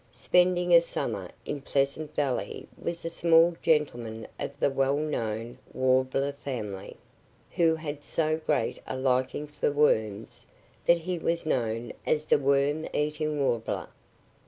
Spending a summer in Pleasant Valley was a small gentleman of the well known Warbler family, who had so great a liking for worms that he was known as the Worm eating Warbler.